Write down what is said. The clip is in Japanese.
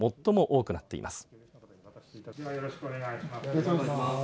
よろしくお願いします。